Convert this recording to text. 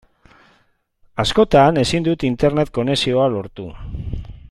Askotan ezin dut Internet konexioa lortu.